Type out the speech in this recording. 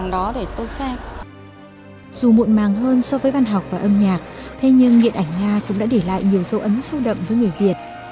dù muộn màng hơn so với văn học và âm nhạc thế nhưng điện ảnh nga cũng đã để lại nhiều dấu ấn sâu đậm với người việt